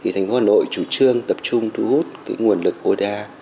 thành phố hà nội chủ trương tập trung thu hút nguồn lực oda